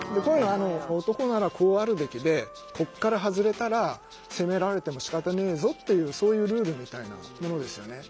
「男ならこうあるべきでここから外れたら責められてもしかたねえぞ」っていうそういうルールみたいなものですよね。